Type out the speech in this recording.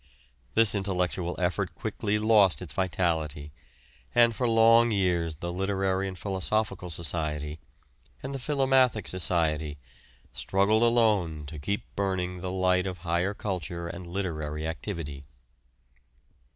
This intellectual effort quickly lost its vitality, and for long years the Literary and Philosophical Society, and the Philomathic Society, struggled alone to keep burning the light of higher culture and literary activity.